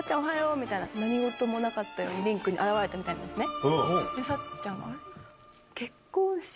何事もなかったようにリンクに現れたみたいなんですね。